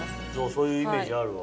そういうイメージあるわ。